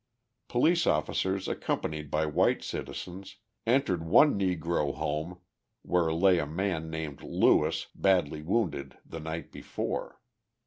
Police officers accompanied by white citizens, entered one Negro home, where lay a man named Lewis, badly wounded the night before.